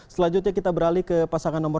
selanjutnya kita beralih ke pasangan nomor